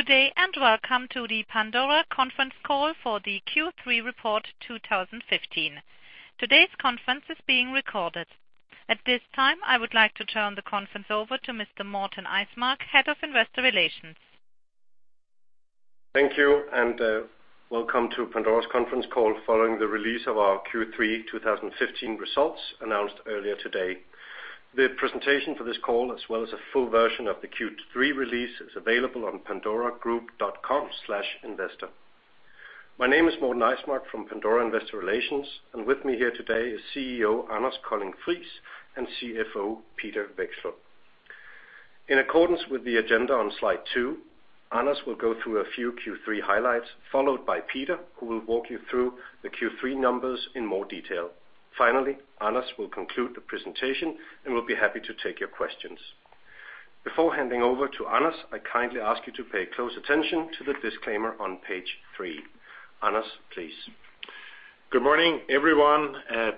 Good day, and welcome to the Pandora Conference Call for The Q3 Report 2015. Today's conference is being recorded. At this time, I would like to turn the conference over to Mr. Morten Eismark, Head of Investor Relations. Thank you, and welcome to Pandora's conference call following the release of our Q3 2015 results announced earlier today. The presentation for this call, as well as a full version of the Q3 release, is available on pandoragroup.com/investor. My name is Morten Eismark from Pandora Investor Relations, and with me here today is CEO Anders Colding Friis and CFO Peter Vekslund. In accordance with the agenda on Slide two, Anders will go through a few Q3 highlights, followed by Peter, who will walk you through the Q3 numbers in more detail. Finally, Anders will conclude the presentation, and we'll be happy to take your questions. Before handing over to Anders, I kindly ask you to pay close attention to the disclaimer on page 3. Anders, please. Good morning, everyone.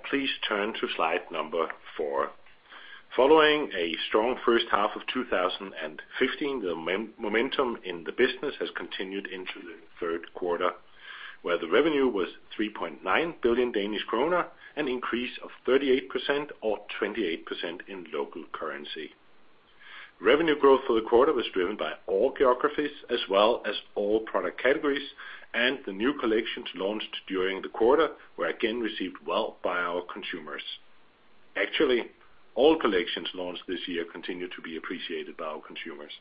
Please turn to Slide number four. Following a strong first half of 2015, the momentum in the business has continued into the third quarter, where the revenue was 3.9 billion Danish kroner, an increase of 38% or 28% in local currency. Revenue growth for the quarter was driven by all geographies as well as all product categories, and the new collections launched during the quarter were again received well by our consumers. Actually, all collections launched this year continue to be appreciated by our consumers.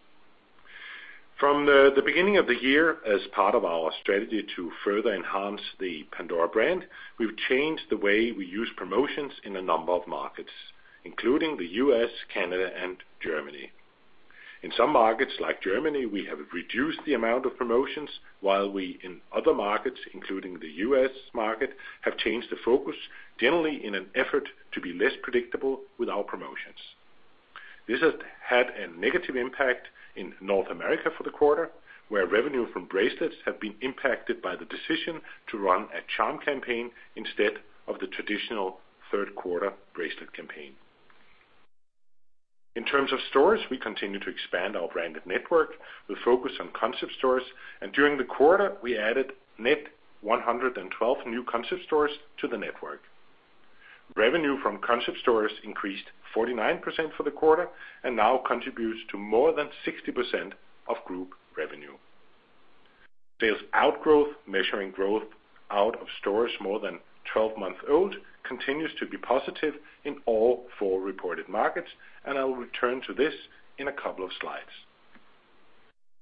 From the beginning of the year, as part of our strategy to further enhance the Pandora brand, we've changed the way we use promotions in a number of markets, including the U.S., Canada, and Germany. In some markets, like Germany, we have reduced the amount of promotions, while we, in other markets, including the U.S. market, have changed the focus, generally in an effort to be less predictable with our promotions. This has had a negative impact in North America for the quarter, where revenue from bracelets have been impacted by the decision to run a charm campaign instead of the traditional third quarter bracelet campaign. In terms of stores, we continue to expand our branded network with focus on concept stores, and during the quarter, we added net 112 new concept stores to the network. Revenue from concept stores increased 49% for the quarter and now contributes to more than 60% of group revenue. Sales-out growth, measuring growth out of stores more than 12 months old, continues to be positive in all four reported markets, and I will return to this in a couple of slides.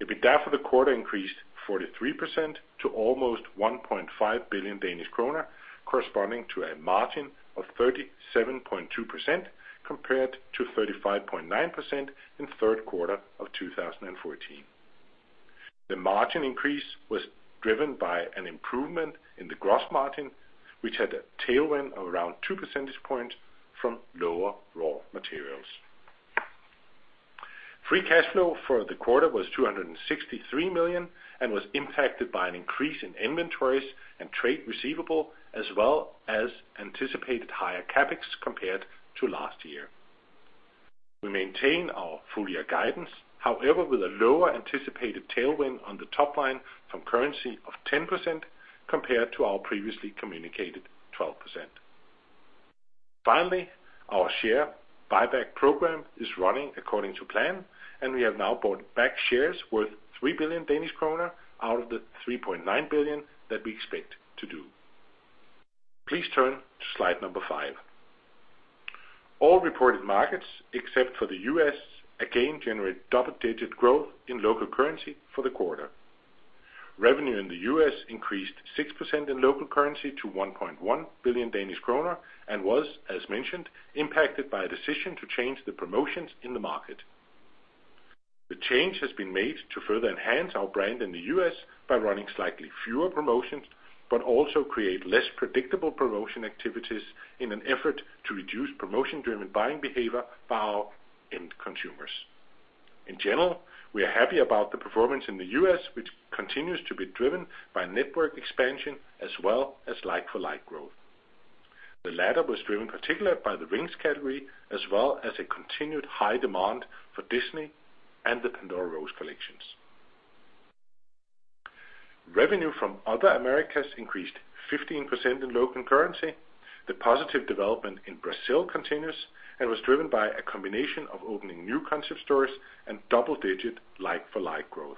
EBITDA for the quarter increased 43% to almost 1.5 billion Danish kroner, corresponding to a margin of 37.2%, compared to 35.9% in third quarter of 2014. The margin increase was driven by an improvement in the gross margin, which had a tailwind of around 2 percentage points from lower raw materials. Free cash flow for the quarter was 263 million and was impacted by an increase in inventories and trade receivable, as well as anticipated higher CapEx compared to last year. We maintain our full-year guidance, however, with a lower anticipated tailwind on the top line from currency of 10% compared to our previously communicated 12%. Finally, our share buyback program is running according to plan, and we have now bought back shares worth 3 billion Danish kroner out of the 3.9 billion that we expect to do. Please turn to Slide number five. All reported markets, except for the U.S., again, generate double-digit growth in local currency for the quarter. Revenue in the U.S. increased 6% in local currency to 1.1 billion Danish kroner and was, as mentioned, impacted by a decision to change the promotions in the market. The change has been made to further enhance our brand in the U.S. by running slightly fewer promotions, but also create less predictable promotion activities in an effort to reduce promotion-driven buying behavior by our end consumers. In general, we are happy about the performance in the U.S., which continues to be driven by network expansion as well as like-for-like growth. The latter was driven particularly by the rings category, as well as a continued high demand for Disney and the Pandora Rose collections. Revenue from Other Americas increased 15% in local currency. The positive development in Brazil continues and was driven by a combination of opening new concept stores and double-digit like-for-like growth.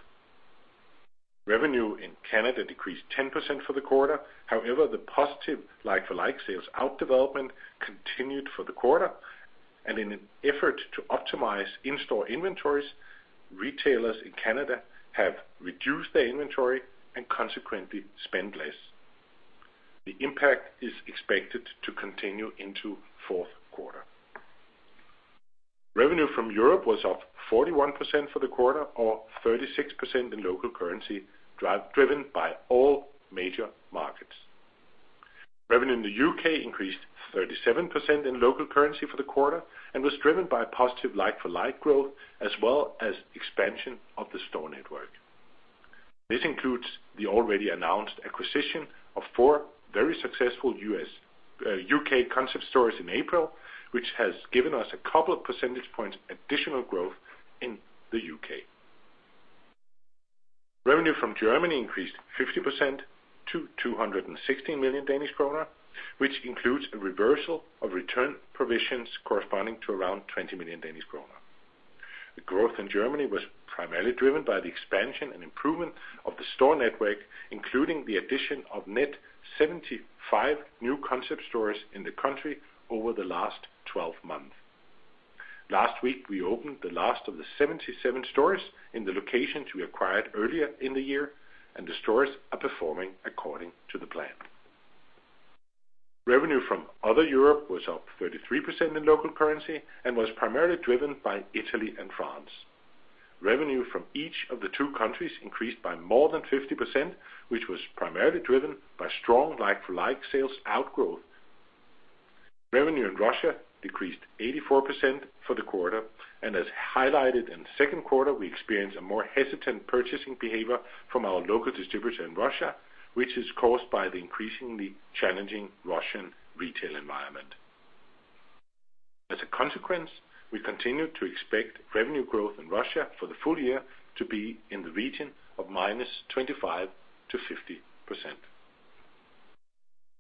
Revenue in Canada decreased 10% for the quarter. However, the positive like-for-like sales-out development continued for the quarter, and in an effort to optimize in-store inventories, retailers in Canada have reduced their inventory and consequently spent less. The impact is expected to continue into fourth quarter. Revenue from Europe was up 41% for the quarter or 36% in local currency, driven by all major markets. Revenue in the U.K. increased 37% in local currency for the quarter and was driven by positive like-for-like growth, as well as expansion of the store network.... This includes the already announced acquisition of 4 very successful U.K. concept stores in April, which has given us a couple of percentage points additional growth in the U.K. Revenue from Germany increased 50% to 216 million Danish kroner, which includes a reversal of return provisions corresponding to around 20 million Danish kroner. The growth in Germany was primarily driven by the expansion and improvement of the store network, including the addition of net 75 new concept stores in the country over the last 12 months. Last week, we opened the last of the 77 stores in the locations we acquired earlier in the year, and the stores are performing according to the plan. Revenue from Other Europe was up 33% in local currency and was primarily driven by Italy and France. Revenue from each of the two countries increased by more than 50%, which was primarily driven by strong like-for-like sales-out growth. Revenue in Russia decreased 84% for the quarter, and as highlighted in the second quarter, we experienced a more hesitant purchasing behavior from our local distributor in Russia, which is caused by the increasingly challenging Russian retail environment. As a consequence, we continue to expect revenue growth in Russia for the full year to be in the region of -25% to -50%.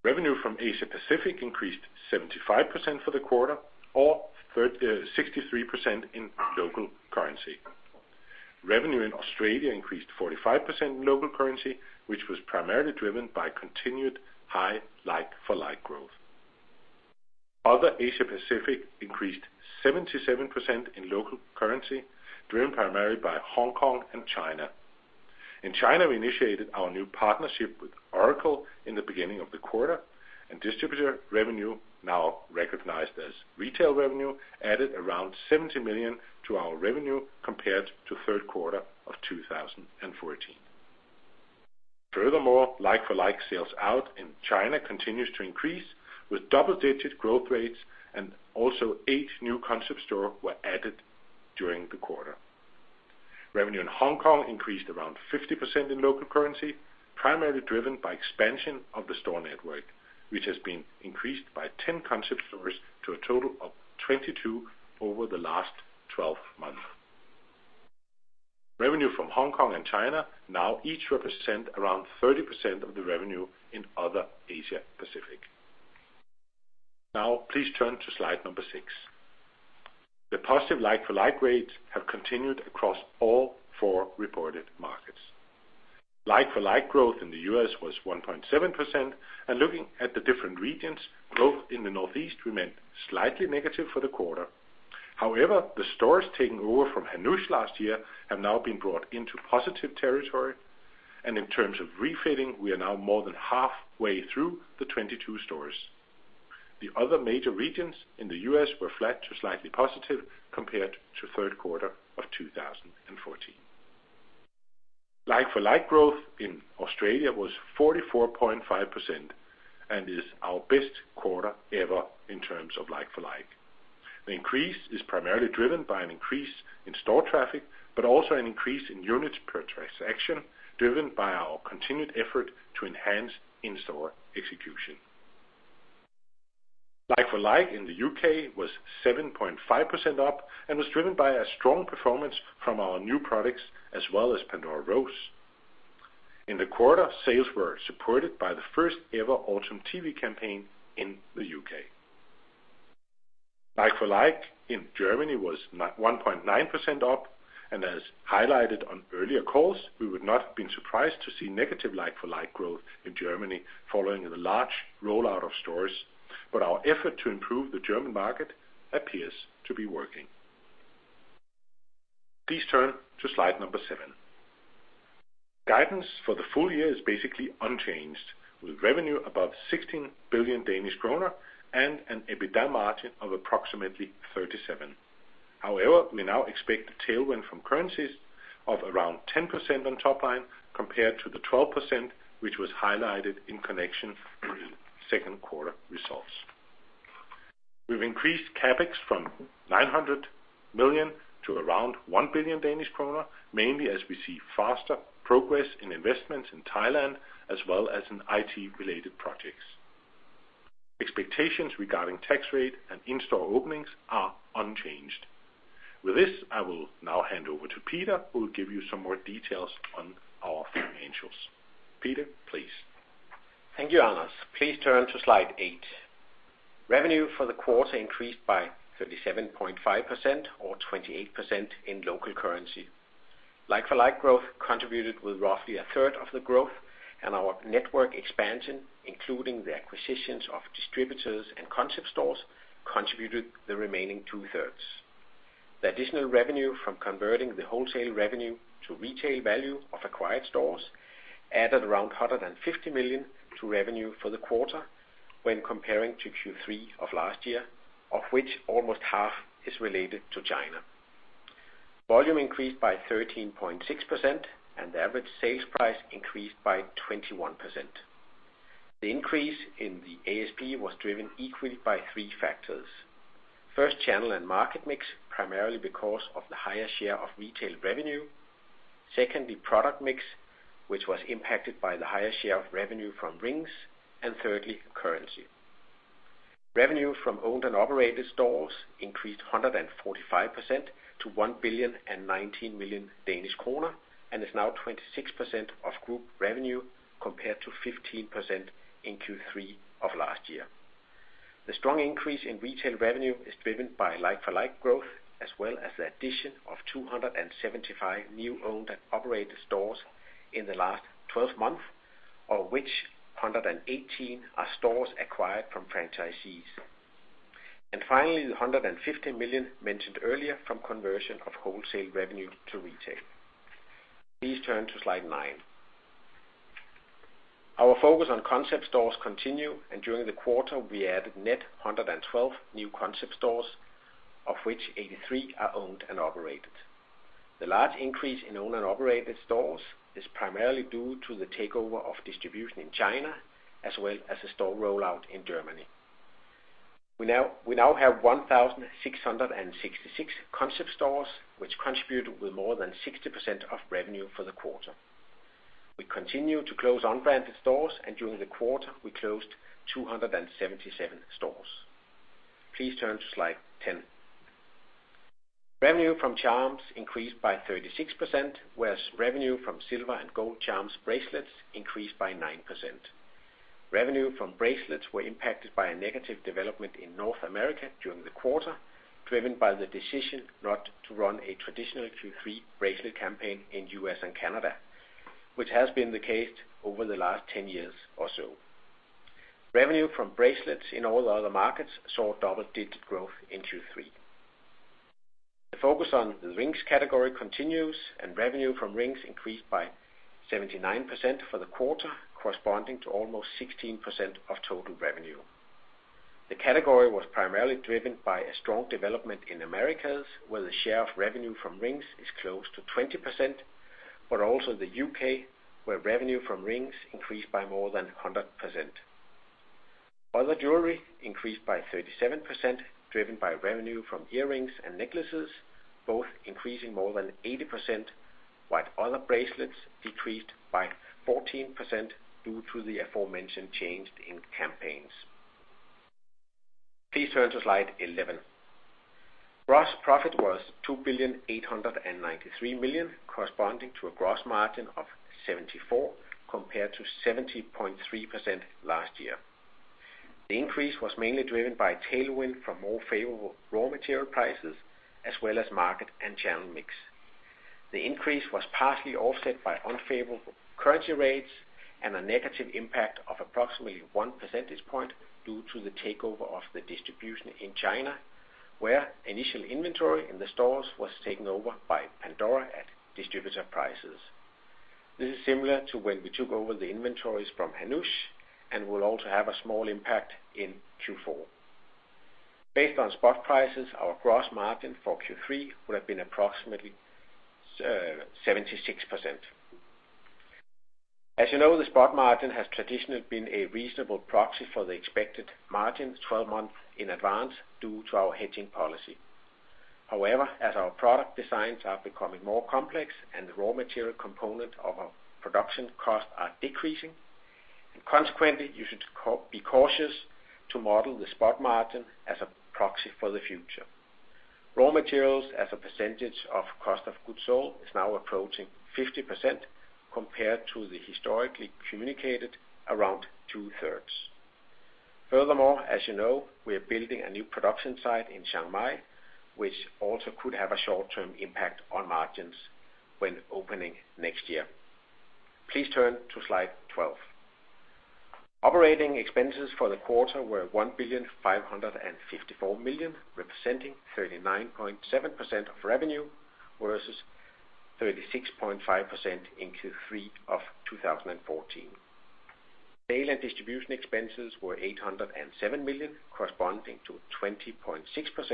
Revenue from Asia Pacific increased 75% for the quarter or 63% in local currency. Revenue in Australia increased 45% in local currency, which was primarily driven by continued high like-for-like growth. Other Asia Pacific increased 77% in local currency, driven primarily by Hong Kong and China. In China, we initiated our new partnership with Oracle in the beginning of the quarter, and distributor revenue, now recognized as retail revenue, added around 70 million to our revenue compared to third quarter of 2014. Furthermore, like-for-like sales-out in China continues to increase, with double-digit growth rates and also 8 new concept stores were added during the quarter. Revenue in Hong Kong increased around 50% in local currency, primarily driven by expansion of the store network, which has been increased by 10 concept stores to a total of 22 over the last 12 months. Revenue from Hong Kong and China now each represent around 30% of the revenue in Other Asia Pacific. Now, please turn to Slide number six. The positive like-for-like rates have continued across all four reported markets. Like-for-like growth in the U.S. was 1.7%, and looking at the different regions, growth in the Northeast remained slightly negative for the quarter. However, the stores taken over from Hannoush last year have now been brought into positive territory, and in terms of refitting, we are now more than halfway through the 22 stores. The other major regions in the U.S. were flat to slightly positive compared to third quarter of 2014. Like-for-like growth in Australia was 44.5% and is our best quarter ever in terms of like-for-like. The increase is primarily driven by an increase in store traffic, but also an increase in units per transaction, driven by our continued effort to enhance in-store execution. Like-for-like in the UK was 7.5% up and was driven by a strong performance from our new products, as well as Pandora Rose. In the quarter, sales were supported by the first ever autumn TV campaign in the U.K. Like-for-like in Germany was up 1.9%, and as highlighted on earlier calls, we would not have been surprised to see negative like-for-like growth in Germany following the large rollout of stores, but our effort to improve the German market appears to be working. Please turn to Slide seven. Guidance for the full year is basically unchanged, with revenue above 16 billion Danish kroner and an EBITDA margin of approximately 37%. However, we now expect a tailwind from currencies of around 10% on top line, compared to the 12%, which was highlighted in connection with second quarter results. We've increased CapEx from 900 million to around 1 billion Danish kroner, mainly as we see faster progress in investments in Thailand, as well as in IT-related projects. Expectations regarding tax rate and in-store openings are unchanged. With this, I will now hand over to Peter, who will give you some more details on our financials. Peter, please. Thank you, Anders. Please turn to Slide eight. Revenue for the quarter increased by 37.5% or 28% in local currency. Like-for-like growth contributed with roughly a third of the growth, and our network expansion, including the acquisitions of distributors and concept stores, contributed the remaining two-thirds. The additional revenue from converting the wholesale revenue to retail value of acquired stores added around 150 million to revenue for the quarter when comparing to Q3 of last year, of which almost half is related to China. Volume increased by 13.6%, and the average sales price increased by 21%. The increase in the ASP was driven equally by 3 factors. First, channel and market mix, primarily because of the higher share of retail revenue. Secondly, product mix, which was impacted by the higher share of revenue from rings. And thirdly, currency. Revenue from owned and operated stores increased 145% to 1,019 million Danish kroner, and is now 26% of group revenue, compared to 15% in Q3 of last year. The strong increase in retail revenue is driven by like-for-like growth, as well as the addition of 275 new owned and operated stores in the last 12 months, of which 118 are stores acquired from franchisees. And finally, the 150 million mentioned earlier from conversion of wholesale revenue to retail. Please turn to Slide nine. Our focus on concept stores continue, and during the quarter, we added net 112 new concept stores, of which 83 are owned and operated. The large increase in owned and operated stores is primarily due to the takeover of distribution in China, as well as the store rollout in Germany. We now have 1,666 concept stores, which contribute with more than 60% of revenue for the quarter. We continue to close unbranded stores, and during the quarter, we closed 277 stores. Please turn to Slide 10. Revenue from charms increased by 36%, whereas revenue from silver and gold charms bracelets increased by 9%. Revenue from bracelets were impacted by a negative development in North America during the quarter, driven by the decision not to run a traditional Q3 bracelet campaign in U.S. and Canada, which has been the case over the last 10 years or so. Revenue from bracelets in all the other markets saw double-digit growth in Q3. The focus on the rings category continues, and revenue from rings increased by 79% for the quarter, corresponding to almost 16% of total revenue. The category was primarily driven by a strong development in Americas, where the share of revenue from rings is close to 20%, but also the U.K., where revenue from rings increased by more than 100%. Other jewelry increased by 37%, driven by revenue from earrings and necklaces, both increasing more than 80%, while other bracelets decreased by 14%, due to the aforementioned change in campaigns. Please turn to Slide 11. Gross profit was 2,893 million, corresponding to a gross margin of 74%, compared to 70.3% last year. The increase was mainly driven by tailwind from more favorable raw material prices, as well as market and channel mix. The increase was partially offset by unfavorable currency rates and a negative impact of approximately one percentage point due to the takeover of the distribution in China, where initial inventory in the stores was taken over by Pandora at distributor prices. This is similar to when we took over the inventories from Hannoush, and will also have a small impact in Q4. Based on spot prices, our gross margin for Q3 would have been approximately 76%. As you know, the spot margin has traditionally been a reasonable proxy for the expected margin 12 months in advance due to our hedging policy. However, as our product designs are becoming more complex and the raw material component of our production costs are decreasing, and consequently, you should be cautious to model the spot margin as a proxy for the future. Raw materials, as a percentage of cost of goods sold, is now approaching 50%, compared to the historically communicated around two-thirds. Furthermore, as you know, we are building a new production site in Chiang Mai, which also could have a short-term impact on margins when opening next year. Please turn to Slide 12. Operating expenses for the quarter were 1,554 million, representing 39.7% of revenue, versus 36.5% in Q3 of 2014. Sales and distribution expenses were 807 million, corresponding to 20.6%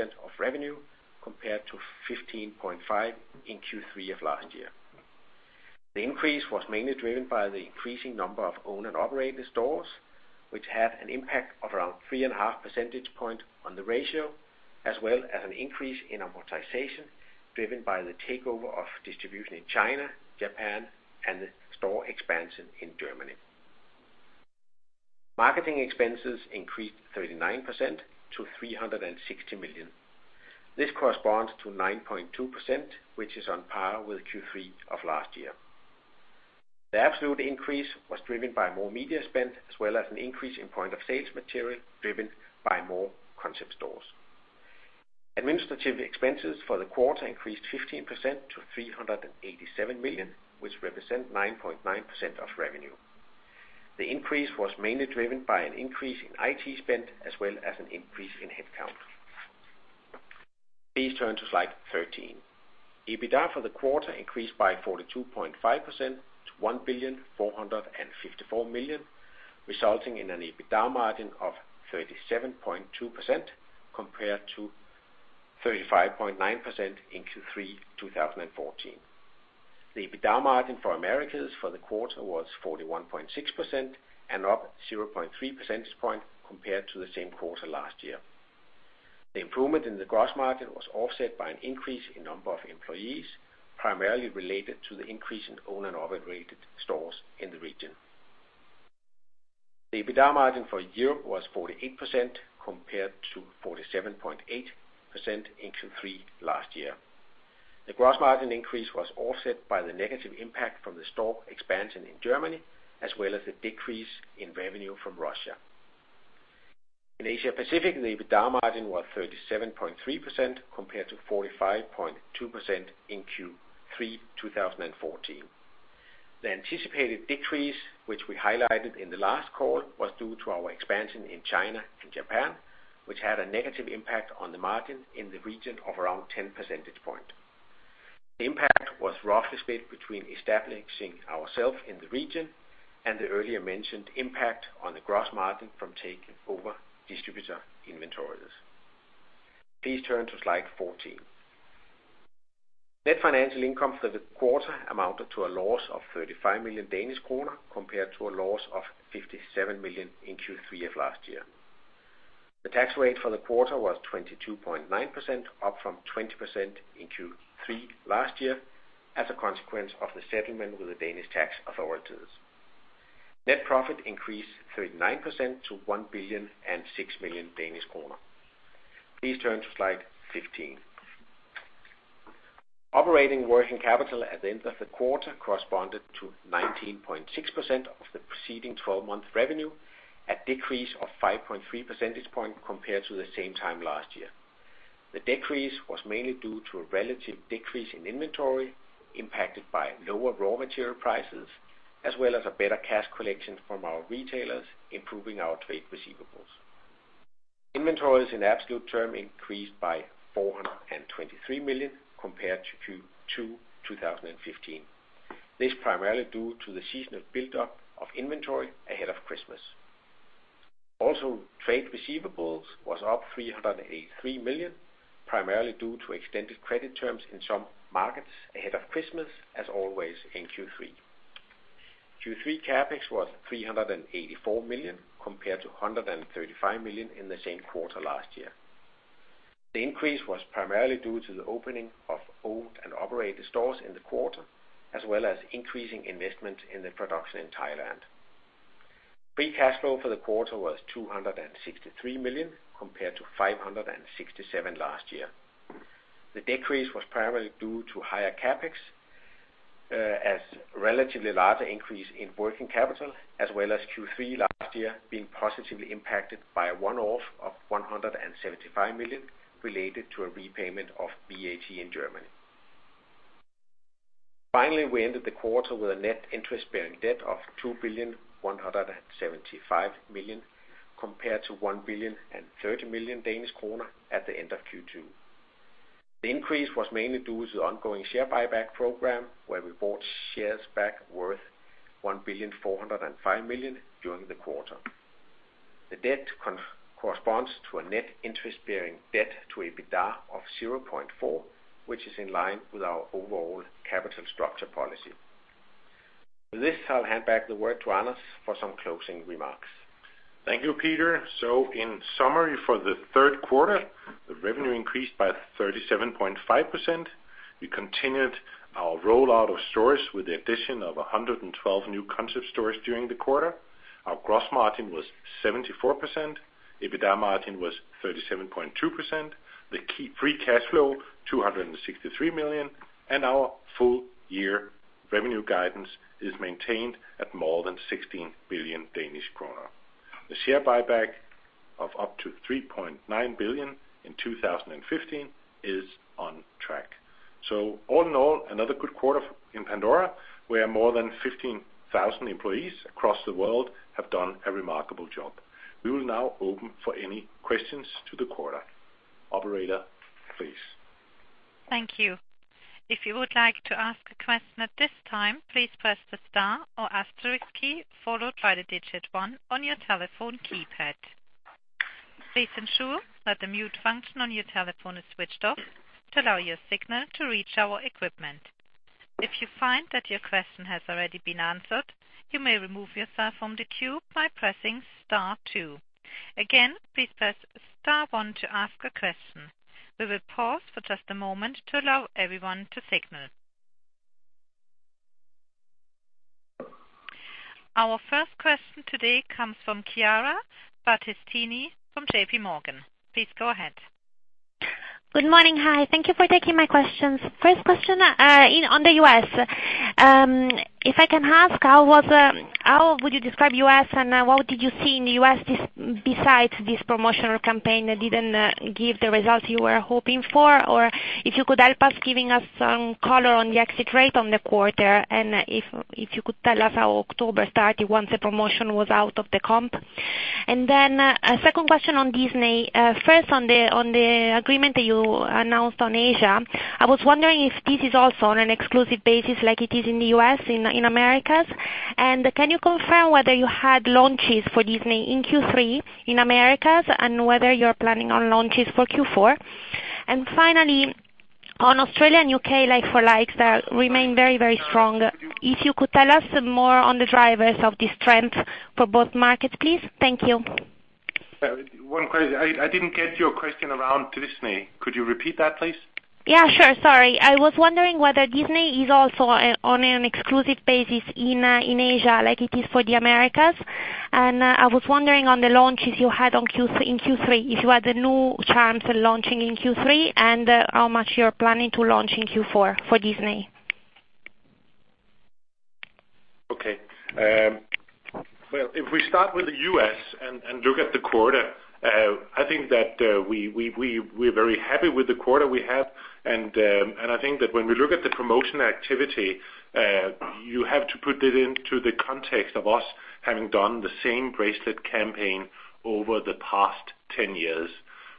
of revenue, compared to 15.5% in Q3 of last year. The increase was mainly driven by the increasing number of owned and operated stores, which had an impact of around 3.5 percentage points on the ratio, as well as an increase in amortization, driven by the takeover of distribution in China, Japan, and the store expansion in Germany. Marketing expenses increased 39% to 360 million. This corresponds to 9.2%, which is on par with Q3 of last year. The absolute increase was driven by more media spend, as well as an increase in point-of-sale material, driven by more concept stores. Administrative expenses for the quarter increased 15% to 387 million, which represent 9.9% of revenue. The increase was mainly driven by an increase in IT spend, as well as an increase in headcount. Please turn to Slide 13. EBITDA for the quarter increased by 42.5% to 1,454 million, resulting in an EBITDA margin of 37.2%, compared to 35.9% in Q3 2014. The EBITDA margin for Americas for the quarter was 41.6% and up 0.3 percentage point compared to the same quarter last year. The improvement in the gross margin was offset by an increase in number of employees, primarily related to the increase in own and operated stores in the region. The EBITDA margin for Europe was 48%, compared to 47.8% in Q3 last year. The gross margin increase was offset by the negative impact from the store expansion in Germany, as well as the decrease in revenue from Russia. In Asia Pacific, the EBITDA margin was 37.3% compared to 45.2% in Q3 2014. The anticipated decrease, which we highlighted in the last call, was due to our expansion in China and Japan, which had a negative impact on the margin in the region of around 10 percentage points. The impact was roughly split between establishing ourselves in the region and the earlier mentioned impact on the gross margin from taking over distributor inventories. Please turn to Slide 14. Net financial income for the quarter amounted to a loss of 35 million Danish kroner, compared to a loss of 57 million in Q3 of last year. The tax rate for the quarter was 22.9%, up from 20% in Q3 last year, as a consequence of the settlement with the Danish tax authorities. Net profit increased 39% to 1.006 billion. Please turn to Slide 15. Operating working capital at the end of the quarter corresponded to 19.6% of the preceding twelve-month revenue, a decrease of 5.3 percentage points compared to the same time last year. The decrease was mainly due to a relative decrease in inventory, impacted by lower raw material prices, as well as a better cash collection from our retailers, improving our trade receivables. Inventories in absolute term increased by 423 million compared to Q2 2015. This primarily due to the seasonal buildup of inventory ahead of Christmas. Also, trade receivables was up 383 million, primarily due to extended credit terms in some markets ahead of Christmas, as always in Q3. Q3 CapEx was 384 million, compared to 135 million in the same quarter last year. The increase was primarily due to the opening of owned and operated stores in the quarter, as well as increasing investment in the production in Thailand. Free cash flow for the quarter was 263 million, compared to 567 million last year. The decrease was primarily due to higher CapEx, as relatively large increase in working capital, as well as Q3 last year being positively impacted by a one-off of 175 million related to a repayment of VAT in Germany. Finally, we ended the quarter with a net interest bearing debt of 2,175 million, compared to 1,030 million Danish kroner at the end of Q2. The increase was mainly due to the ongoing share buyback program, where we bought shares back worth 1,405 million during the quarter. The debt corresponds to a net interest bearing debt to EBITDA of 0.4, which is in line with our overall capital structure policy. With this, I'll hand back the word to Anders for some closing remarks. Thank you, Peter. So in summary, for the third quarter, the revenue increased by 37.5%. We continued our rollout of stores with the addition of 112 new concept stores during the quarter. Our gross margin was 74%, EBITDA margin was 37.2%, the key free cash flow, 263 million, and our full year revenue guidance is maintained at more than 16 billion Danish kroner. The share buyback of up to 3.9 billion in 2015 is on track. So all in all, another good quarter in Pandora, where more than 15,000 employees across the world have done a remarkable job. We will now open for any questions to the quarter. Operator, please. Thank you. If you would like to ask a question at this time, please press the star or asterisk key, followed by the digit one on your telephone keypad. Please ensure that the mute function on your telephone is switched off to allow your signal to reach our equipment. If you find that your question has already been answered, you may remove yourself from the queue by pressing star two. Again, please press star one to ask a question. We will pause for just a moment to allow everyone to signal. Our first question today comes from Chiara Battistini from JPMorgan. Please go ahead. Good morning. Hi, thank you for taking my questions. First question, on the U.S. If I can ask, how was, how would you describe U.S., and what did you see in the U.S. besides this promotional campaign that didn't give the results you were hoping for? Or if you could help us giving us some color on the exit rate on the quarter, and if you could tell us how October started once the promotion was out of the comp? And then a second question on Disney. First, on the agreement that you announced on Asia, I was wondering if this is also on an exclusive basis like it is in the U.S., in Americas? And can you confirm whether you had launches for Disney in Q3 in Americas, and whether you are planning on launches for Q4? Finally, on Australia and U.K., like-for-likes that remain very, very strong. If you could tell us more on the drivers of this trend for both markets, please. Thank you. One question, I didn't get your question around Disney. Could you repeat that, please? Yeah, sure. Sorry. I was wondering whether Disney is also on an exclusive basis in Asia, like it is for the Americas. And I was wondering on the launches you had in Q3, if you had a new chance of launching in Q3, and how much you're planning to launch in Q4 for Disney? Okay, well, if we start with the U.S. and look at the quarter, I think that we're very happy with the quarter we have. I think that when we look at the promotion activity, you have to put it into the context of us having done the same bracelet campaign over the past 10 years.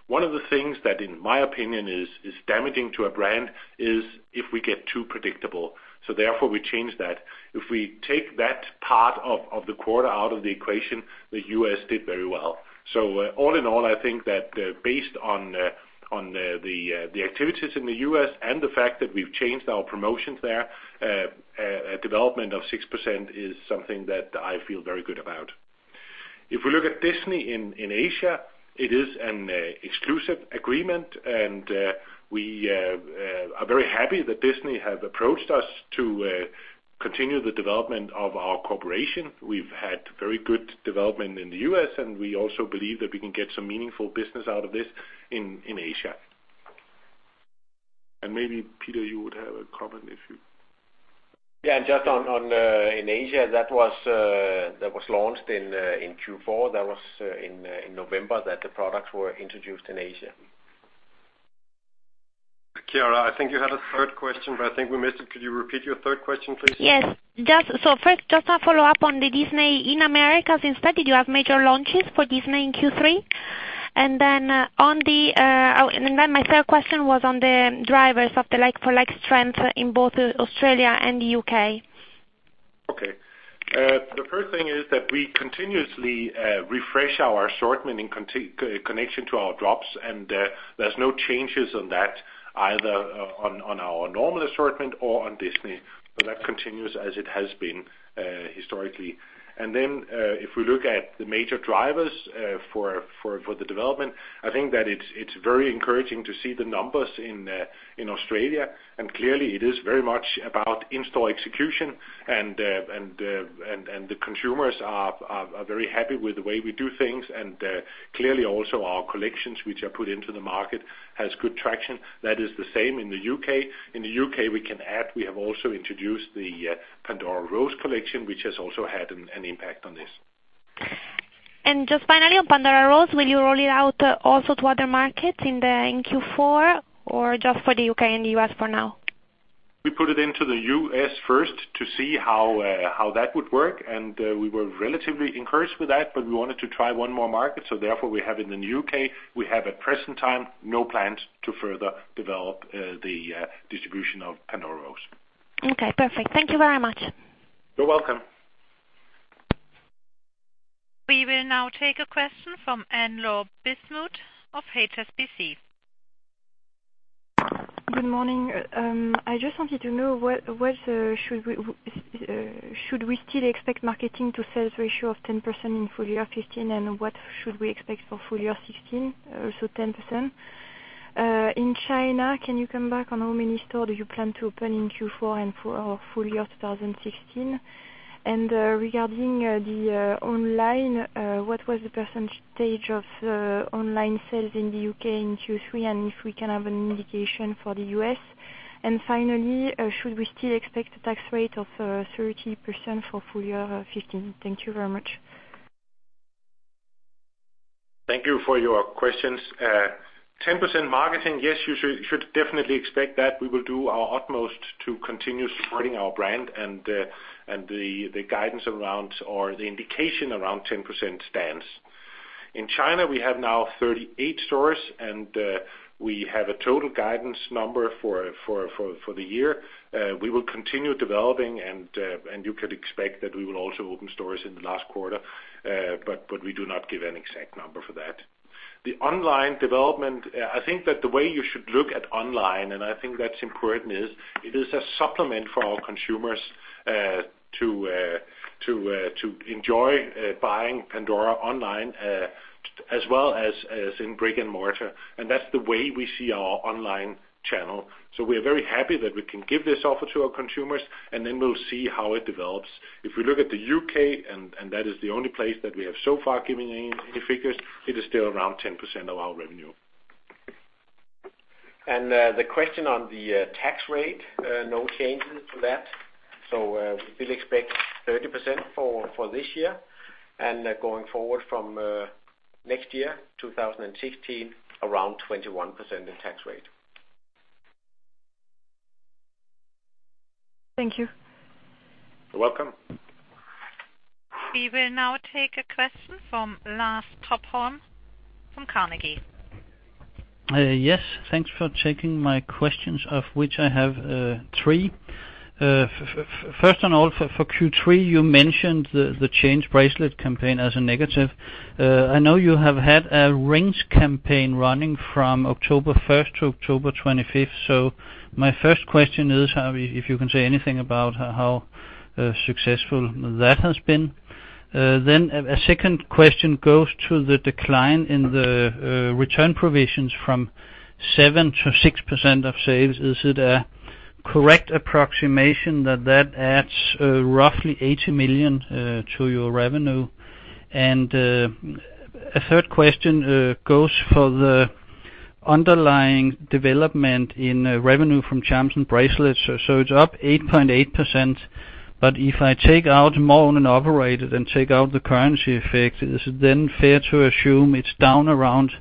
One of the things that, in my opinion, is damaging to a brand is if we get too predictable, so therefore we change that. If we take that part of the quarter out of the equation, the U.S. did very well. So all in all, I think that, based on, on, the, the activities in the U.S. and the fact that we've changed our promotions there, a, a development of 6% is something that I feel very good about. If we look at Disney in, in Asia, it is an, exclusive agreement, and, we, are very happy that Disney have approached us to, continue the development of our cooperation. We've had very good development in the U.S., and we also believe that we can get some meaningful business out of this in, in Asia. And maybe, Peter, you would have a comment if you- Yeah, and just on in Asia, that was launched in Q4. That was in November, that the products were introduced in Asia. Chiara, I think you had a third question, but I think we missed it. Could you repeat your third question, please? Yes. First, just a follow-up on the Disney in Americas. Second, did you have major launches for Disney in Q3? And then my third question was on the drivers of the like-for-like strength in both Australia and the U.K. Okay. The first thing is that we continuously refresh our assortment in connection to our drops, and there's no changes on that, either on our normal assortment or on Disney. So that continues as it has been, historically. And then, if we look at the major drivers for the development, I think that it's very encouraging to see the numbers in Australia. And clearly it is very much about in-store execution, and the consumers are very happy with the way we do things. And clearly also our collections, which are put into the market, has good traction. That is the same in the U.K. In the U.K., we can add, we have also introduced the Pandora Rose collection, which has also had an impact on this. Just finally, on Pandora Rose, will you roll it out also to other markets in Q4, or just for the U.K. and the U.S. for now? We put it into the U.S. first to see how that would work, and we were relatively encouraged with that, but we wanted to try one more market, so therefore we have it in the U.K. We have, at present time, no plans to further develop the distribution of Pandora Rose. Okay, perfect. Thank you very much. You're welcome. We will now take a question from Anne-Laure Bismuth of HSBC. Good morning. I just wanted to know, what should we still expect marketing to sales ratio of 10% in full year 2015? And what should we expect for full year 2016, also 10%? In China, can you come back on how many stores you plan to open in Q4 and for or full year 2016? And, regarding the online, what was the percentage of online sales in the U.K. in Q3, and if we can have an indication for the U.S.? And finally, should we still expect a tax rate of 30% for full year 2015? Thank you very much. Thank you for your questions. Ten percent marketing, yes, you should definitely expect that. We will do our utmost to continue supporting our brand and the guidance around or the indication around 10% stands. In China, we have now 38 stores, and we have a total guidance number for the year. We will continue developing, and you can expect that we will also open stores in the last quarter, but we do not give an exact number for that. The online development, I think that the way you should look at online, and I think that's important, is it is a supplement for our consumers to enjoy buying Pandora online, as well as in brick and mortar, and that's the way we see our online channel. So we are very happy that we can give this offer to our consumers, and then we'll see how it develops. If we look at the U.K., that is the only place that we have so far giving any figures, it is still around 10% of our revenue. And, the question on the tax rate, no changes to that. So, we still expect 30% for this year and going forward from next year, 2016, around 21% in tax rate. Thank you. You're welcome. We will now take a question from Lars Topholm from Carnegie. Yes, thanks for taking my questions, of which I have three. First and all, for Q3, you mentioned the change bracelet campaign as a negative. I know you have had a rings campaign running from October 1 to October 25. So my first question is, how, if you can say anything about how successful that has been? Then a second question goes to the decline in the return provisions from 7% to 6% of sales. Is it a correct approximation that that adds roughly 80 million to your revenue? And a third question goes for the underlying development in revenue from charms and bracelets. So it's up 8.8%, but if I take out more owned and operated and take out the currency effect, is it then fair to assume it's down around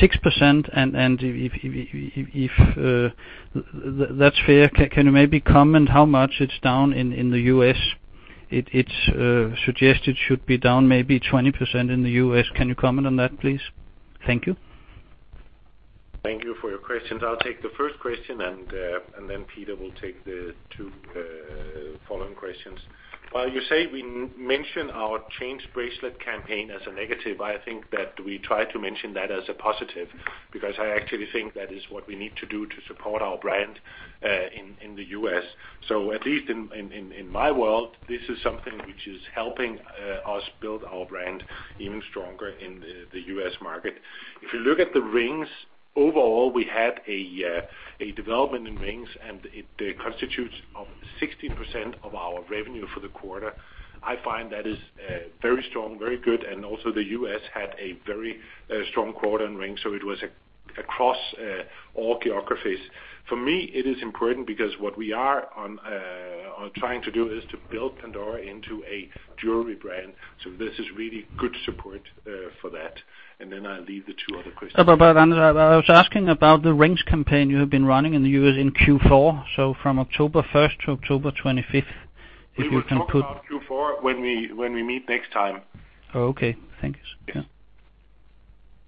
6%? And if that's fair, can you maybe comment how much it's down in the U.S.? It's suggested should be down maybe 20% in the U.S. Can you comment on that, please? Thank you. Thank you for your questions. I'll take the first question, and then Peter will take the two following questions. While you say we mention our change bracelet campaign as a negative, I think that we try to mention that as a positive, because I actually think that is what we need to do to support our brand in the U.S. So at least in my world, this is something which is helping us build our brand even stronger in the U.S. market. If you look at the rings, overall, we had a development in rings, and it constitutes 16% of our revenue for the quarter. I find that is very strong, very good, and also the U.S. had a very strong quarter in rings, so it was across all geographies. For me, it is important because what we are on, on trying to do is to build Pandora into a jewelry brand. So this is really good support, for that. And then I'll leave the two other questions. But I was asking about the rings campaign you have been running in the U.S. in Q4, so from October 1 to October 25. If you can put- We will talk about Q4 when we meet next time. Oh, okay. Thanks. Yeah.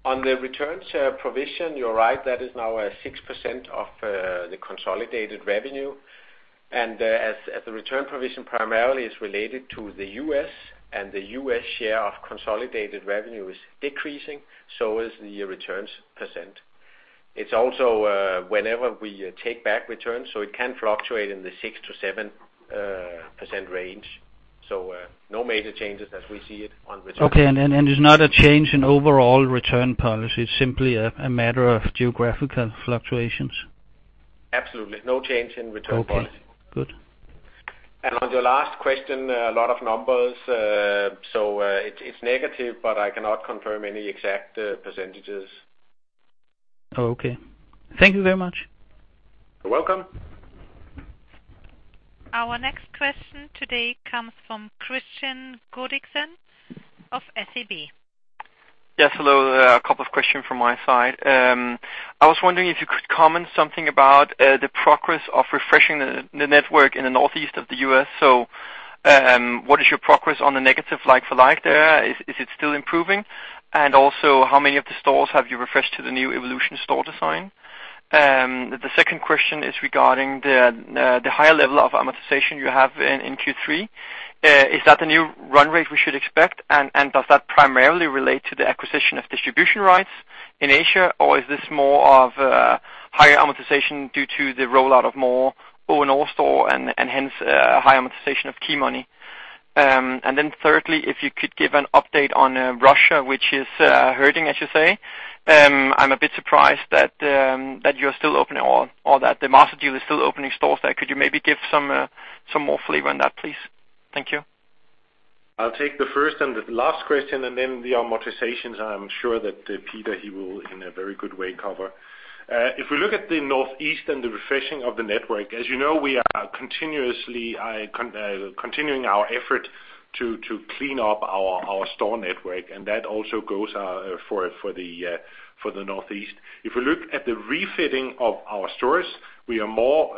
On the returns provision, you're right, that is now at 6% of the consolidated revenue. And as the return provision primarily is related to the U.S., and the U.S. share of consolidated revenue is decreasing, so is the returns %. It's also, whenever we take back returns, so it can fluctuate in the 6%-7% range. So no major changes as we see it on return. Okay, there's not a change in overall return policy, it's simply a matter of geographical fluctuations? Absolutely. No change in return policy. Okay, good. On your last question, a lot of numbers, so it's negative, but I cannot confirm any exact percentages. Oh, okay. Thank you very much. You're welcome. Our next question today comes from Kristian Godiksen of SEB. Yes, hello, a couple of questions from my side. I was wondering if you could comment something about the progress of refreshing the network in the Northeast of the U.S. So, what is your progress on the negative like for like there? Is it still improving? And also, how many of the stores have you refreshed to the new Evolution store design? The second question is regarding the higher level of amortization you have in Q3. Is that the new run rate we should expect? And does that primarily relate to the acquisition of distribution rights in Asia, or is this more of higher amortization due to the rollout of more owned stores and hence higher amortization of key money? And then thirdly, if you could give an update on Russia, which is hurting, I should say. I'm a bit surprised that that you're still opening or that the master deal is still opening stores there. Could you maybe give some some more flavor on that, please? Thank you. I'll take the first and the last question, and then the amortizations. I'm sure that Peter, he will, in a very good way, cover. If we look at the Northeast and the refreshing of the network, as you know, we are continuously continuing our effort to clean up our store network, and that also goes for the Northeast. If we look at the refitting of our stores, we are more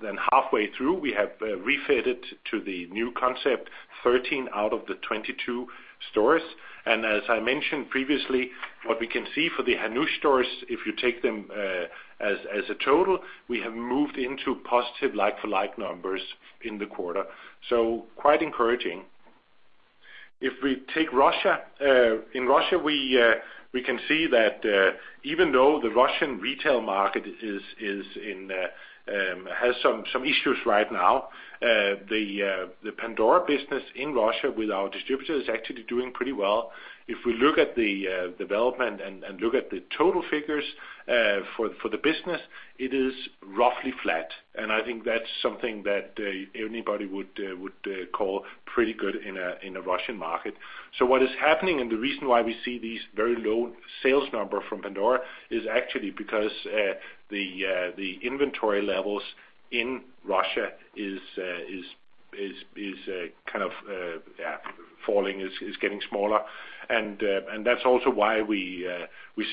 than halfway through. We have refitted to the new concept, 13 out of the 22 stores. And as I mentioned previously, what we can see for the Hannoush stores, if you take them as a total, we have moved into positive like-for-like numbers in the quarter. So quite encouraging. If we take Russia, in Russia, we can see that even though the Russian retail market is in has some issues right now, the Pandora business in Russia with our distributor is actually doing pretty well. If we look at the development and look at the total figures for the business, it is roughly flat. And I think that's something that anybody would call pretty good in a Russian market. So what is happening, and the reason why we see these very low sales number from Pandora, is actually because the inventory levels in Russia is kind of falling, is getting smaller. That's also why we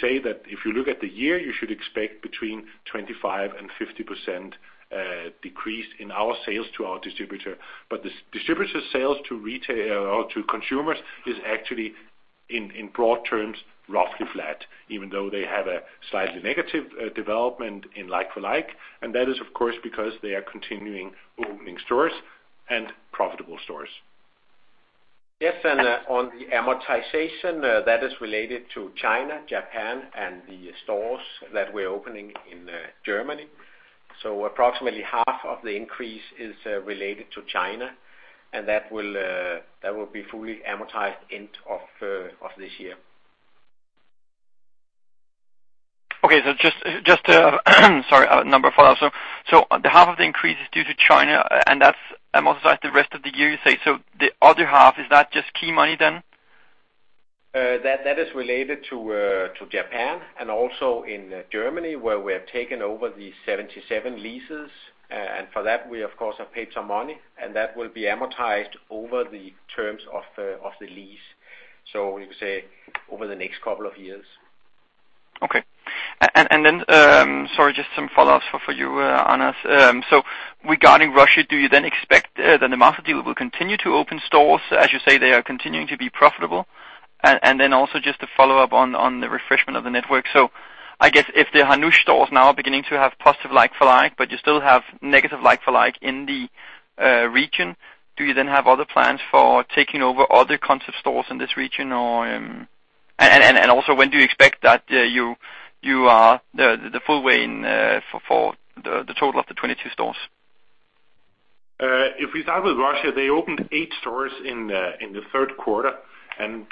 say that if you look at the year, you should expect between 25% and 50% decrease in our sales to our distributor. But the distributor sales to retail or to consumers is actually in broad terms, roughly flat, even though they had a slightly negative development in like-for-like, and that is, of course, because they are continuing opening stores and profitable stores. Yes, and on the amortization, that is related to China, Japan, and the stores that we're opening in Germany. So approximately half of the increase is related to China, and that will, that will be fully amortized end of this year. Okay. So just, sorry, a number of follow-up. So the half of the increase is due to China, and that's amortized the rest of the year, you say. So the other half, is that just key money then? That, that is related to Japan, and also in Germany, where we have taken over the 77 leases, and for that, we of course have paid some money, and that will be amortized over the terms of the, of the lease. So you could say, over the next couple of years. Okay. And then, sorry, just some follow-ups for you, Anders. So regarding Russia, do you then expect that the master dealer will continue to open stores? As you say, they are continuing to be profitable. And then also just to follow up on the refreshment of the network. So I guess if the Hannoush stores now are beginning to have positive like-for-like, but you still have negative like-for-like in the region, do you then have other plans for taking over other concept stores in this region or... And also, when do you expect that you are the full way in for the total of the 22 stores? If we start with Russia, they opened eight stores in the third quarter. And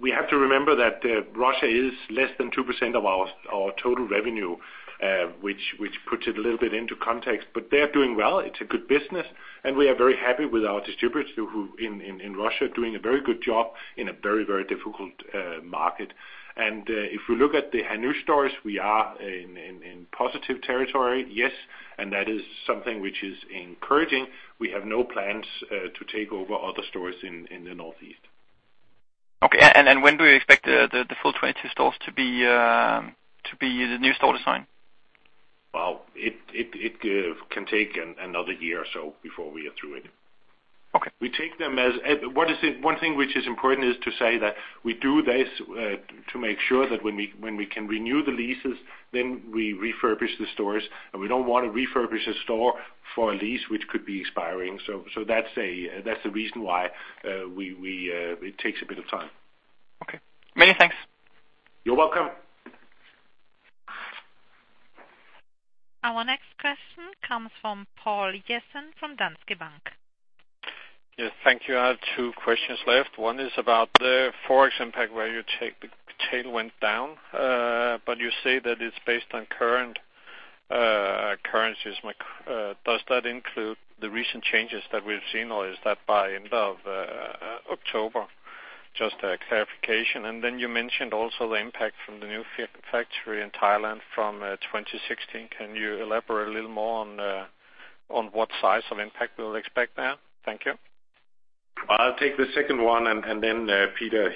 we have to remember that Russia is less than 2% of our total revenue, which puts it a little bit into context. But they are doing well. It's a good business, and we are very happy with our distributors who in Russia are doing a very good job in a very difficult market. And if we look at the Hannoush stores, we are in positive territory, yes, and that is something which is encouraging. We have no plans to take over other stores in the Northeast. Okay. And when do you expect the full 22 stores to be the new store design? Well, it can take another year or so before we are through it. Okay. One thing which is important is to say that we do this to make sure that when we can renew the leases, then we refurbish the stores, and we don't want to refurbish a store for a lease which could be expiring. So that's the reason why it takes a bit of time. Okay. Many thanks. You're welcome. Our next question comes from Poul Jessen from Danske Bank. Yes, thank you. I have two questions left. One is about the Forex impact, where you take the tailwind down, but you say that it's based on current currencies. My, does that include the recent changes that we've seen, or is that by end of October? Just a clarification. And then you mentioned also the impact from the new factory in Thailand from 2016. Can you elaborate a little more on what size of impact we'll expect there? Thank you. I'll take the second one, and then Peter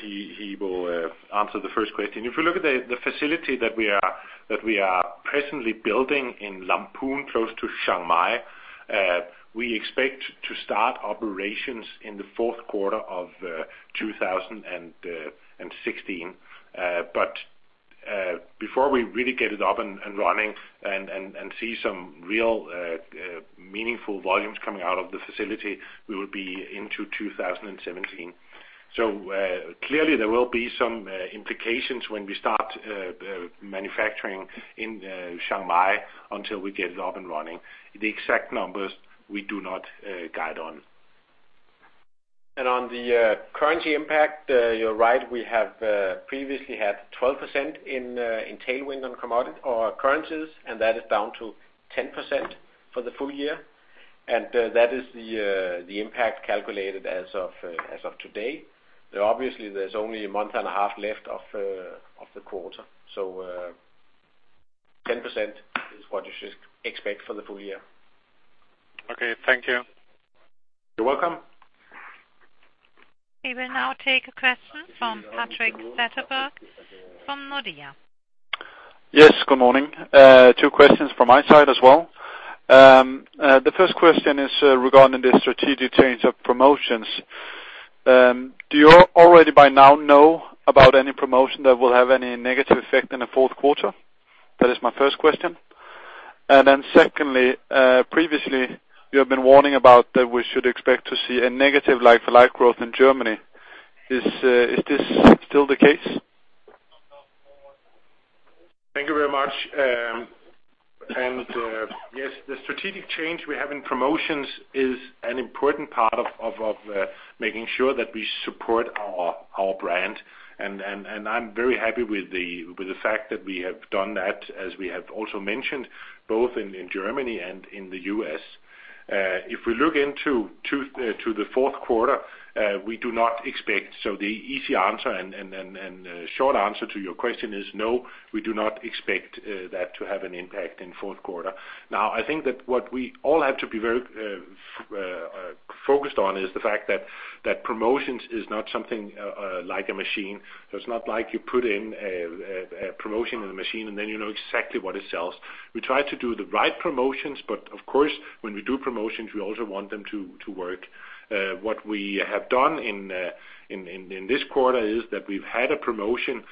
will answer the first question. If you look at the facility that we are presently building in Lamphun, close to Chiang Mai, we expect to start operations in the fourth quarter of 2016. But before we really get it up and running and see some real meaningful volumes coming out of the facility, we will be into 2017. So clearly, there will be some implications when we start manufacturing in Chiang Mai until we get it up and running. The exact numbers we do not guide on. And on the currency impact, you're right, we have previously had 12% in tailwind on commodity or currencies, and that is down to 10% for the full year. And that is the impact calculated as of today. Obviously, there's only a month and a half left of the quarter, so 10% is what you should expect for the full year. Okay, thank you. You're welcome. We will now take a question from Patrik Setterberg, from Nordea. Yes, good morning. Two questions from my side as well. The first question is regarding the strategic change of promotions. Do you already by now know about any promotion that will have any negative effect in the fourth quarter? That is my first question. And then secondly, previously, you have been warning about that we should expect to see a negative like-for-like growth in Germany. Is this still the case? Thank you very much. And, yes, the strategic change we have in promotions is an important part of, of, making sure that we support our brand.... And, I'm very happy with the fact that we have done that, as we have also mentioned, both in Germany and in the U.S. If we look to the fourth quarter, we do not expect, so the easy answer and short answer to your question is no, we do not expect that to have an impact in fourth quarter. Now, I think that what we all have to be very focused on is the fact that promotions is not something like a machine. So it's not like you put in a promotion in the machine, and then you know exactly what it sells. We try to do the right promotions, but of course, when we do promotions, we also want them to work. What we have done in this quarter is that we've had a promotion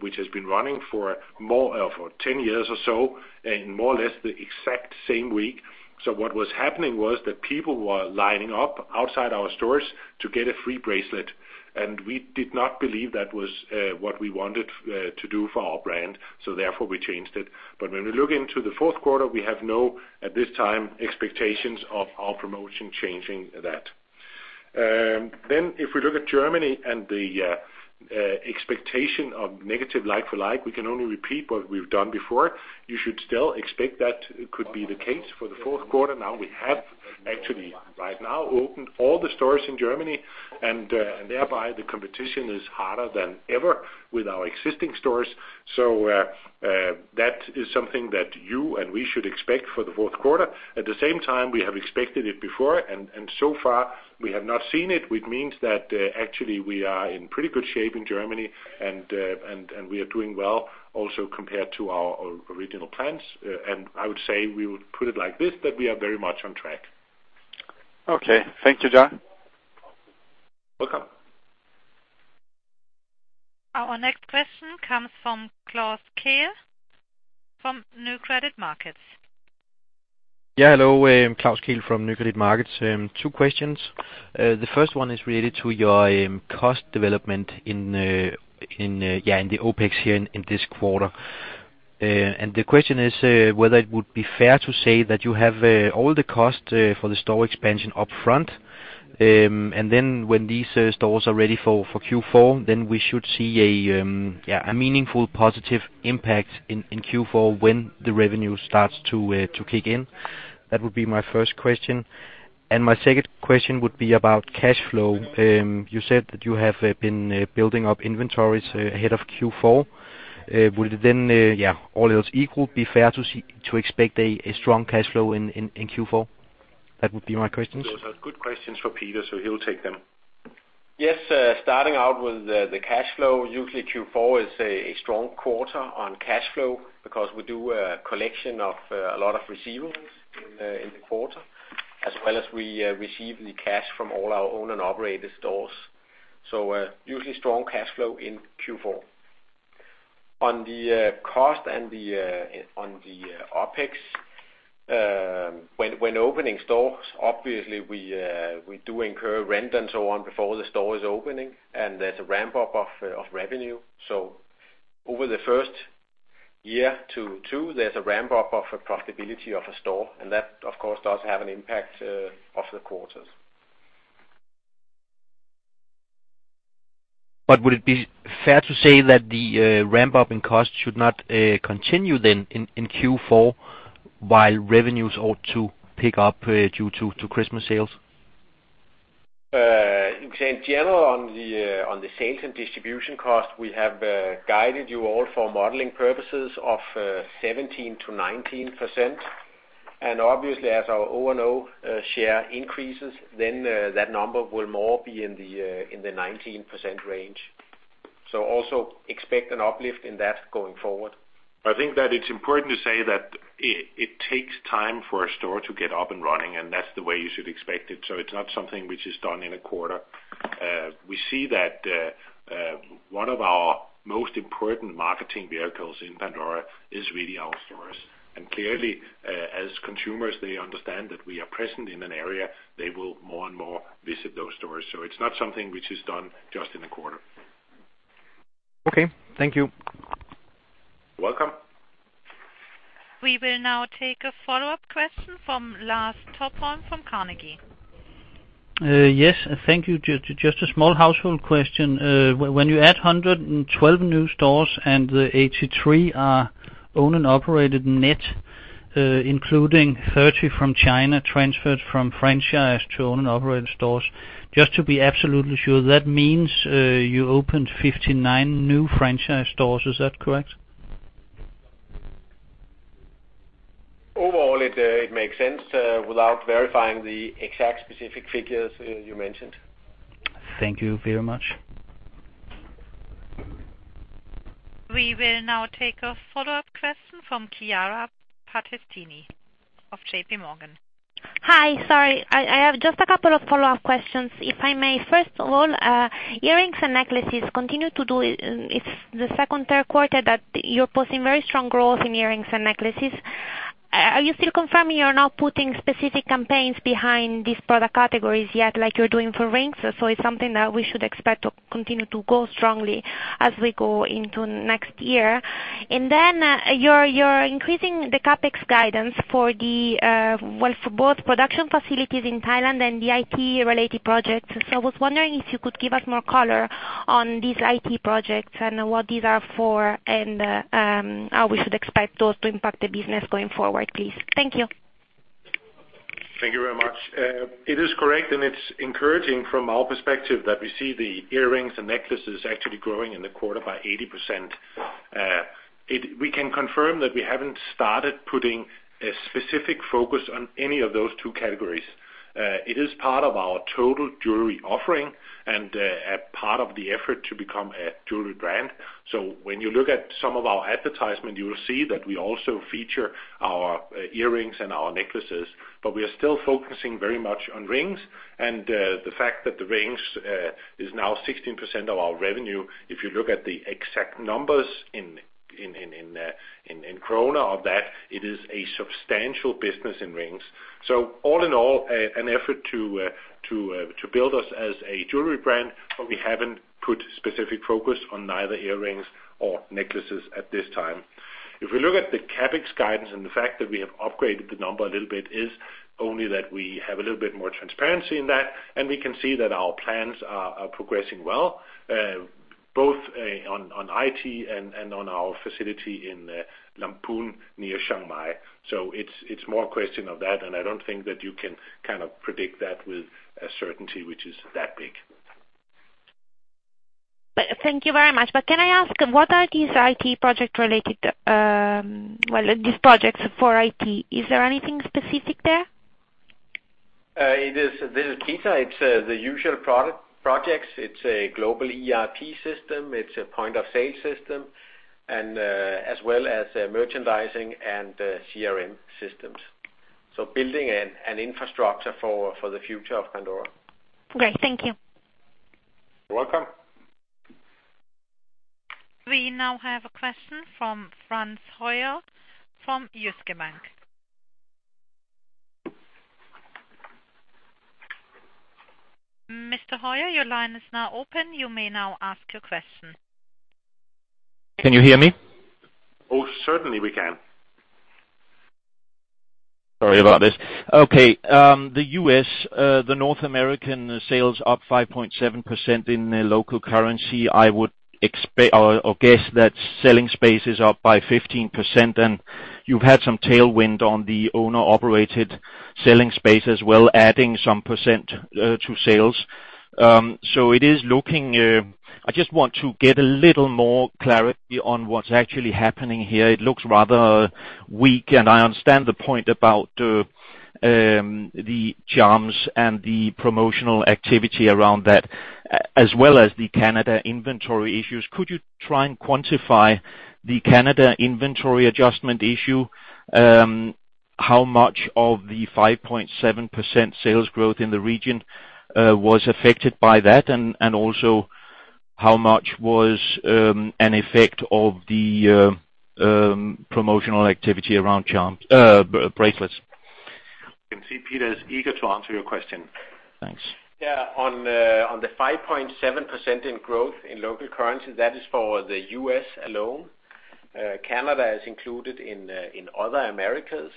which has been running for more for 10 years or so, in more or less the exact same week. So what was happening was that people were lining up outside our stores to get a free bracelet, and we did not believe that was what we wanted to do for our brand, so therefore we changed it. But when we look into the fourth quarter, we have no at this time expectations of our promotion changing that. Then, if we look at Germany and the expectation of negative like-for-like, we can only repeat what we've done before. You should still expect that it could be the case for the fourth quarter. Now, we have actually, right now, opened all the stores in Germany, and thereby, the competition is harder than ever with our existing stores. So, that is something that you and we should expect for the fourth quarter. At the same time, we have expected it before, and so far, we have not seen it, which means that actually, we are in pretty good shape in Germany, and we are doing well also compared to our original plans. And I would say we would put it like this, that we are very much on track. Okay. Thank you, Andres. Welcome. Our next question comes from Klaus Kehl, from Nykredit Markets. Yeah, hello, Klaus Kehl from Nykredit Markets. Two questions. The first one is related to your, cost development in, yeah, in the OpEx here in, this quarter. And the question is, whether it would be fair to say that you have, all the cost, for the store expansion up front, and then when these stores are ready for, Q4, then we should see a, yeah, a meaningful positive impact in, Q4 when the revenue starts to, to kick in? That would be my first question. And my second question would be about cash flow. You said that you have, been, building up inventories ahead of Q4. Would it then, yeah, all else equal, be fair to expect a strong cash flow in Q4? That would be my questions. Those are good questions for Peter, so he will take them. Yes, starting out with the cash flow, usually Q4 is a strong quarter on cash flow because we do a collection of a lot of receivables in the quarter, as well as we receive the cash from all our own and operated stores. So, usually strong cash flow in Q4. On the cost and the OpEx, when opening stores, obviously, we do incur rent and so on before the store is opening, and there's a ramp-up of revenue. So over the first year to two, there's a ramp-up of the profitability of a store, and that, of course, does have an impact of the quarters. But would it be fair to say that the ramp-up in costs should not continue then in Q4, while revenues ought to pick up due to Christmas sales? You can say in general, on the sales and distribution cost, we have guided you all for modeling purposes of 17%-19%. And obviously, as our O&O share increases, then that number will more be in the 19% range. So also expect an uplift in that going forward. I think that it's important to say that it takes time for a store to get up and running, and that's the way you should expect it. So it's not something which is done in a quarter. We see that one of our most important marketing vehicles in Pandora is really our stores. And clearly, as consumers, they understand that we are present in an area, they will more and more visit those stores. So it's not something which is done just in a quarter. Okay. Thank you. Welcome. We will now take a follow-up question from Lars Topholm from Carnegie. Yes, thank you. Just a small household question. When, when you add 112 new stores and the 83 are owned and operated net, including 30 from China, transferred from franchise to owned and operated stores, just to be absolutely sure, that means you opened 59 new franchise stores. Is that correct? Overall, it makes sense, without verifying the exact specific figures you mentioned. Thank you very much. We will now take a follow-up question from Chiara Battistini of JPMorgan. Hi, sorry. I have just a couple of follow-up questions, if I may. First of all, earrings and necklaces continue to do... It's the second, third quarter that you're posting very strong growth in earrings and necklaces.... Are you still confirming you're not putting specific campaigns behind these product categories yet, like you're doing for rings? So it's something that we should expect to continue to go strongly as we go into next year. And then, you're increasing the CapEx guidance for the, well, for both production facilities in Thailand and the IT-related projects. So I was wondering if you could give us more color on these IT projects and what these are for, and how we should expect those to impact the business going forward, please. Thank you. Thank you very much. It is correct, and it's encouraging from our perspective that we see the earrings and necklaces actually growing in the quarter by 80%. We can confirm that we haven't started putting a specific focus on any of those two categories. It is part of our total jewelry offering and a part of the effort to become a jewelry brand. So when you look at some of our advertisement, you will see that we also feature our earrings and our necklaces, but we are still focusing very much on rings, and the fact that the rings is now 16% of our revenue, if you look at the exact numbers in DKK of that, it is a substantial business in rings. So all in all, an effort to build us as a jewelry brand, but we haven't put specific focus on neither earrings or necklaces at this time. If we look at the CapEx guidance and the fact that we have upgraded the number a little bit, is only that we have a little bit more transparency in that, and we can see that our plans are progressing well, both on IT and on our facility in Lamphun, near Chiang Mai. So it's more a question of that, and I don't think that you can kind of predict that with a certainty which is that big. Thank you very much. But can I ask, what are these IT project-related, well, these projects for IT, is there anything specific there? It is, this is Peter. It's the usual product- projects. It's a global ERP system, it's a point of sale system, and as well as merchandising and CRM systems. So building an infrastructure for the future of Pandora. Great, thank you. You're welcome. We now have a question from Frans Høyer, from Jyske Bank. Mr. Høyer, your line is now open. You may now ask your question. Can you hear me? Oh, certainly we can. Sorry about this. Okay, the U.S., the North American sales up 5.7% in the local currency. I would expect or guess that selling space is up by 15%, and you've had some tailwind on the owner-operated selling space as well, adding some percent to sales. So it is looking... I just want to get a little more clarity on what's actually happening here. It looks rather weak, and I understand the point about the charms and the promotional activity around that, as well as the Canada inventory issues. Could you try and quantify the Canada inventory adjustment issue? How much of the 5.7% sales growth in the region was affected by that? And also, how much was an effect of the promotional activity around charms, bracelets? I can see Peter is eager to answer your question. Thanks. Yeah, on the 5.7% growth in local currency, that is for the U.S. alone. Canada is included in Other Americas,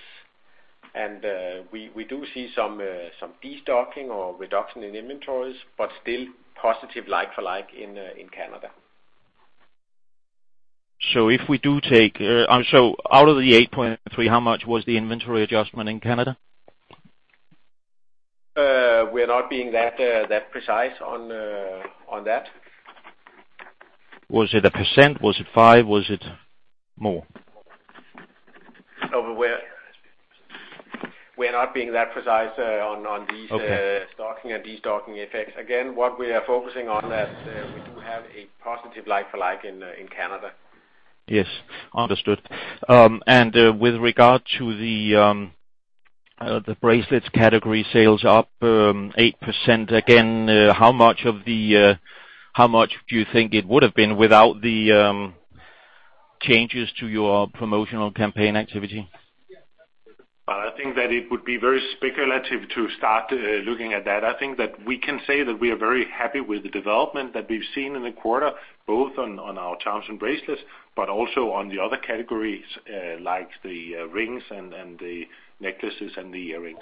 and we do see some destocking or reduction in inventories, but still positive like-for-like in Canada. If we do take so out of the 8.3, how much was the inventory adjustment in Canada? We are not being that, that precise on, on that. Was it a percent? Was it 5? Was it more? No, but we're not being that precise on these- Okay. Stocking and destocking effects. Again, what we are focusing on that, we do have a positive like-for-like in Canada. Yes, understood. With regard to the bracelets category, sales up 8%. Again, how much do you think it would have been without the changes to your promotional campaign activity? I think that it would be very speculative to start looking at that. I think that we can say that we are very happy with the development that we've seen in the quarter, both on our charms and bracelets, but also on the other categories, like the rings and the necklaces and the earrings.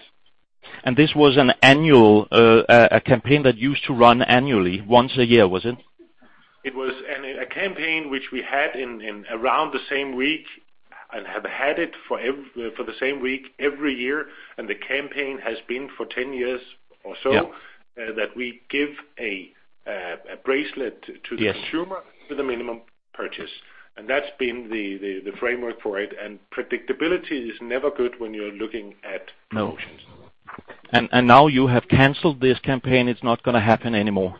This was an annual, a campaign that used to run annually, once a year, was it? It was a campaign which we had in around the same week, and have had it for the same week every year, and the campaign has been for ten years or so. Yeah That we give a, a bracelet to- Yes - the consumer with a minimum purchase. That's been the framework for it, and predictability is never good when you're looking at- No - promotions. And now you have canceled this campaign, it's not going to happen anymore?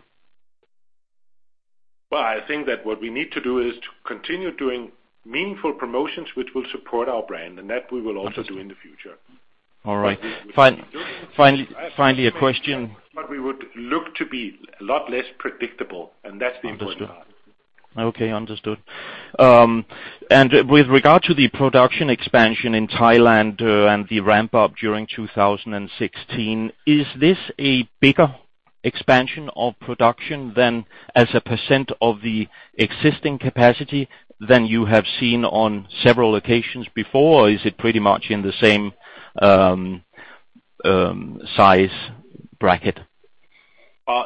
Well, I think that what we need to do is to continue doing meaningful promotions, which will support our brand, and that we will also do in the future. All right. Finally, finally, a question. But we would look to be a lot less predictable, and that's the important part. Okay, understood. And with regard to the production expansion in Thailand, and the ramp up during 2016, is this a bigger expansion of production than as a percent of the existing capacity than you have seen on several occasions before? Or is it pretty much in the same size bracket?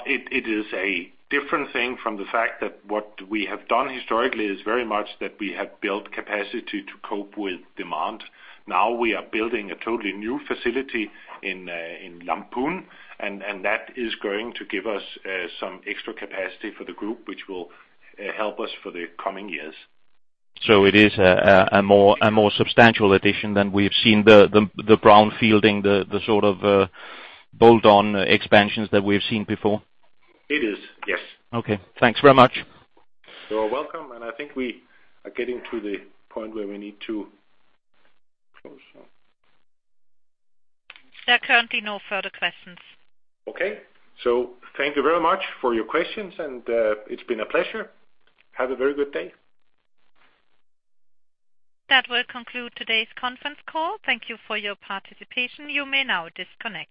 It is a different thing from the fact that what we have done historically is very much that we have built capacity to cope with demand. Now we are building a totally new facility in Lamphun, and that is going to give us some extra capacity for the group, which will help us for the coming years. So it is a more substantial addition than we've seen, the brownfielding, the sort of bolt-on expansions that we've seen before? It is, yes. Okay. Thanks very much. You're welcome, and I think we are getting to the point where we need to close now. There are currently no further questions. Okay. So thank you very much for your questions, and, it's been a pleasure. Have a very good day. That will conclude today's conference call. Thank you for your participation. You may now disconnect.